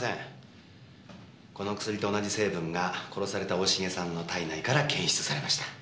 この薬と同じ成分が殺された大重さんの体内から検出されました。